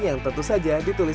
yang tentu saja ditulis di dalam